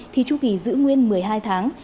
thì chu kỳ giữ nguyên một mươi hai tháng